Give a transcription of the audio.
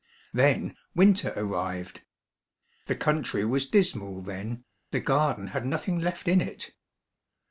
Then winter arrived. The country was dismal then, the garden had nothing left in it.